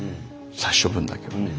殺処分だけはね。